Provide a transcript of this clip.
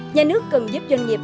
nhà nước cần giúp doanh nghiệp